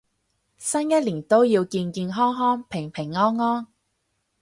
新一年都要健健康康平平安安